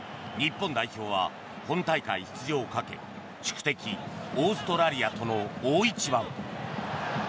日本代表は本大会出場をかけ宿敵オーストラリアとの大一番。